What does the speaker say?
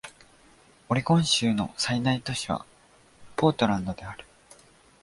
オレゴン州の最大都市はポートランドである